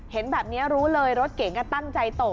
เห็นแบบนี้รู้เลยรถเก๋งตั้งใจตก